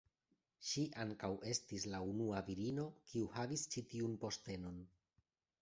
Ŝi ankaŭ estis la unua virino kiu havis ĉi-tiun postenon.